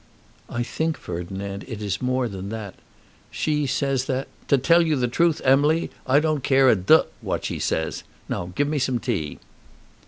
"I think, Ferdinand, it is more than that. She says that " "To tell you the truth, Emily, I don't care a d what she says. Now give me some tea."